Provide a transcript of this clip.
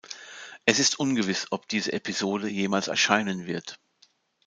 Es ist ungewiss, ob diese Episode jemals erscheinen wird.